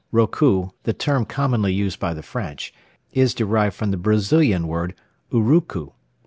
Rocou, the term commonly used by the French, is derived from the Brazilian word, urucu.)